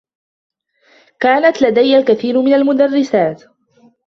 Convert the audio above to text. كانت لديّ الكثير من المدرّسات.